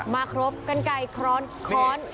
มาครบกันไก่ค้อนค้อน